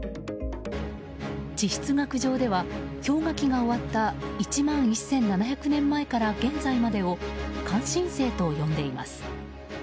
地質学上では氷河期が終わった１万１７００年前から現在までを完新世と呼んでいます。